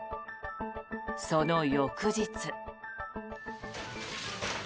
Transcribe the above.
その翌日。